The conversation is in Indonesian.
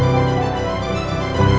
lo udah ngerti kan